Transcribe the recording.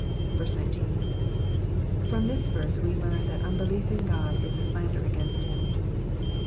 19. From this verse we learn that unbelief of God is a slander against him.